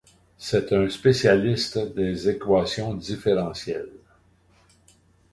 C'est un spécialiste des équations différentielles.